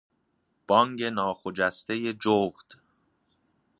بانگ ناخجسته جغد